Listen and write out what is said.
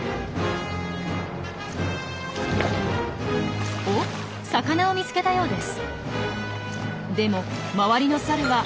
このサル魚を見つけたようです。